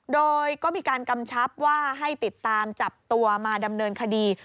โดยก็มีการกำชับว่าให้ติดตามจับตัวมาดำเนินคดี